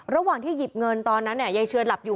ระหว่างที่หยิบเงินตอนนั้นยายเชือนหลับอยู่